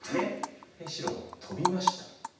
白はトビました。